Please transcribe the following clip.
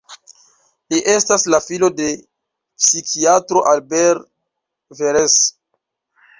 Li estas la filo de psikiatro Albert Veress.